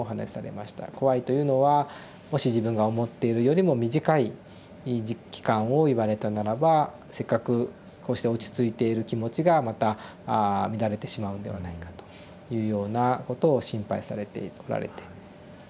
怖いというのはもし自分が思っているよりも短い期間を言われたならばせっかくこうして落ち着いている気持ちがまた乱れてしまうんではないかというようなことを心配されておられて。